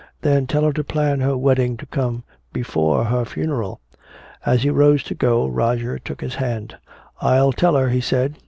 "Then tell her to plan her wedding to come before her funeral." As he rose to go, Roger took his hand. "I'll tell her," he said.